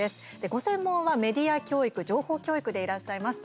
ご専門は、メディア教育情報教育でいらっしゃいます。